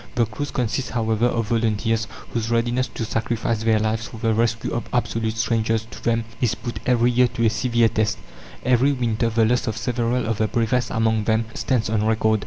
The crews consist, however, of volunteers, whose readiness to sacrifice their lives for the rescue of absolute strangers to them is put every year to a severe test; every winter the loss of several of the bravest among them stands on record.